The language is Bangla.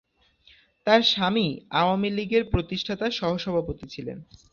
তার স্বামী আওয়ামী লীগের প্রতিষ্ঠাতা সহসভাপতি ছিলেন।